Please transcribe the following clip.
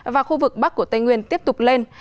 và khu vực bắc của tây nguyên tiếp tục lên